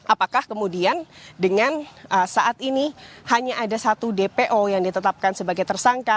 apakah kemudian dengan saat ini hanya ada satu dpo yang ditetapkan sebagai tersangka